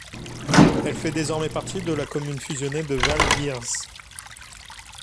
Elle fait désormais partie de la commune fusionnée de Valbirse.